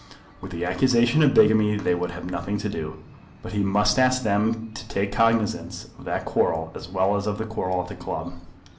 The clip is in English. With the accusation of bigamy they would have nothing to do, but he must ask them to take cognisance of that quarrel as well as of the quarrel at the club.